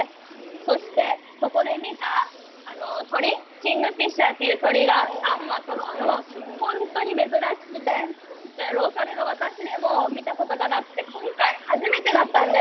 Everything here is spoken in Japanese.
そして、そこで見た鳥、キングフィッシャーという鳥が３羽そろうのは本当に珍しくて、ローカルの私でも見たことがなくて今回、初めてだったんです。